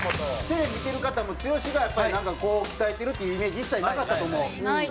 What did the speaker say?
テレビ見てる方も剛がやっぱりなんかこう鍛えてるっていうイメージ一切なかったと思う。